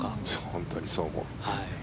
本当にそう思う。